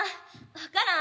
分からん。